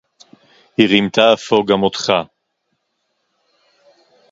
היא רימתה אפוא גם אותך